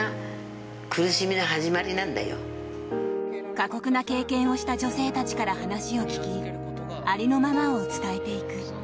過酷な経験をした女性たちから話を聞きありのままを伝えていく。